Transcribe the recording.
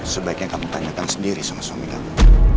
sebaiknya kamu tanyakan sendiri sama suami kamu